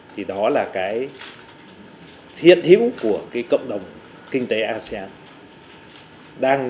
thì đó là cái thiết hiếu của cộng đồng kinh tế asean